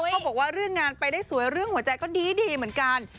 เขาบอกว่าเรื่องงานไปได้สวยเรื่องหัวใจก็ดีเหมือนกัน